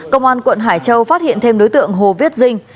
công an quận hải châu phát hiện thêm đối tượng hồ viết dinh